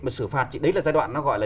mà xử phạt thì đấy là giai đoạn nó gọi là